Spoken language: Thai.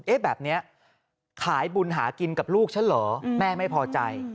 แบบนี้ขายบุญหากินกับลูกฉันเหรอแม่ไม่พอใจ